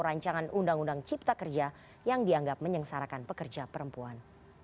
rancangan undang undang cipta kerja yang dianggap menyengsarakan pekerja perempuan